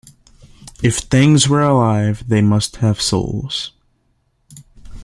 If things were alive, they must have souls.